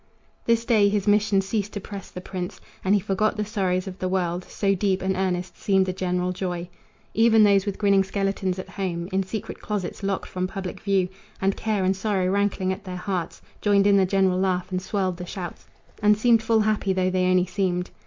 This day his mission ceased to press the prince, And he forgot the sorrows of the world, So deep and earnest seemed the general joy. Even those with grinning skeletons at home In secret closets locked from public view, And care and sorrow rankling at their hearts, Joined in the general laugh and swelled the shouts, And seemed full happy though they only seemed.